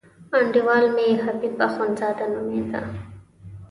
انډیوال مې حبیب اخندزاده نومېده.